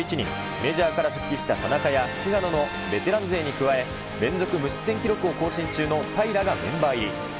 メジャーから復帰した田中や菅野のベテラン勢に加えて、連続無失点記録を更新中の、平良がメンバー入り。